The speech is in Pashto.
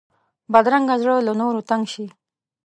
بدرنګه زړه له نورو تنګ شي